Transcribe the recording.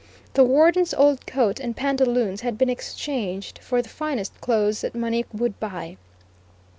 The warden's old coat and pantaloons had been exchanged for the finest clothes that money would buy.